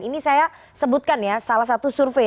ini saya sebutkan ya salah satu survei